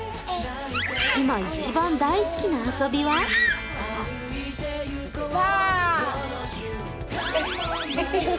今一番大好きな遊びはば。